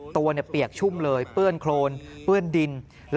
เปียกชุ่มเลยเปื้อนโครนเปื้อนดิน